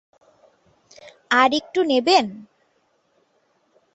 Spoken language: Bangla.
আর একটু নেবেন?